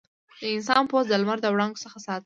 د انسان پوست د لمر د وړانګو څخه ساتي.